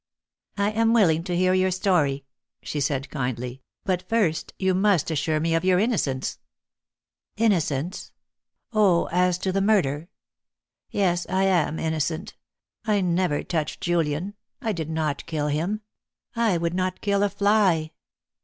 "I am willing to hear your story," she said kindly; "but first you must assure me of your innocence." "Innocence! Oh, as to the murder. Yes, I am innocent. I never touched Julian; I did not kill him. I would not kill a fly.